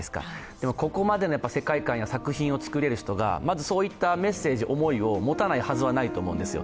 でも、ここまでの世界観や作品を作れる人がそういったメッセージや思いを持たないはずがないと思うんですよ。